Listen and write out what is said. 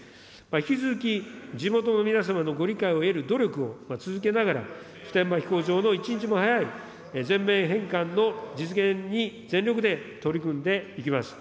引き続き地元の皆様のご理解を得る努力を続けながら、普天間飛行場の一日も早い、全面返還の実現に全力で取組んでいきます。